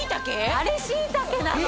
あれしいたけなの！